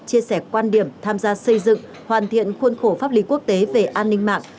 chia sẻ quan điểm tham gia xây dựng hoàn thiện khuôn khổ pháp lý quốc tế về an ninh mạng